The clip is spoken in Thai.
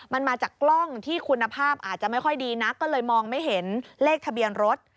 มันมาจากกล้องที่คุณภาพอาจจะไม่ค่อยดีนักก็เลยมองไม่เห็นเลขทะเบียนรถ